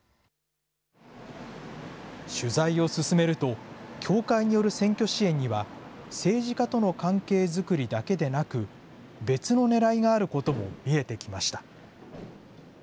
取材を進めると教会による選挙支援には、政治家との関係作りだけでなく、別のねらいがあることも見えてきました。